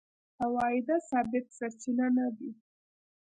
عوایده ثابت سرچینه نه دي.